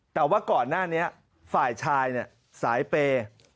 แต่ว่าก่อนหน้านี้ฝ่ายชายเนี่ยสายเปย์